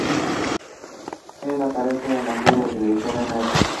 En aparece en la serie de televisión "Mr.